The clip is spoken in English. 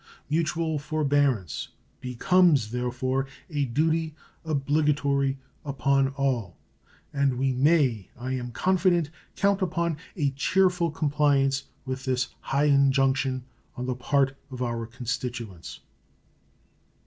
Mutual forbearance becomes, therefore, a duty obligatory upon all, and we may, I am confident, count upon a cheerful compliance with this high injunction on the part of our constituents.